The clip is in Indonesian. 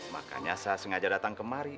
makanya saya sengaja datang kemari